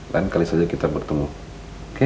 lain kali saja kita bertemu